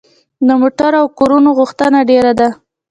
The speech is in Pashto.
د موټرو او کورونو غوښتنه ډیره ده.